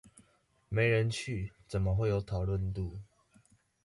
沒人去，怎麼會有討論度？